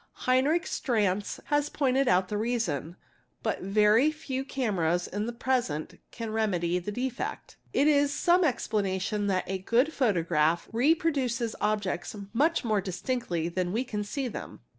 Hedy rich Streintz © has pointed out the reason, but very few cameras ; present use can remedy the defect. It is some explanation that ago photograph reproduces objects much more distinctly than we can : them.